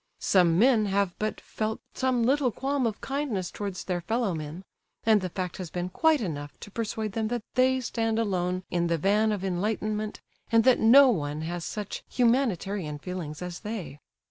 Some men have but felt some little qualm of kindness towards their fellow men, and the fact has been quite enough to persuade them that they stand alone in the van of enlightenment and that no one has such humanitarian feelings as they.